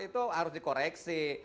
itu harus dikoreksi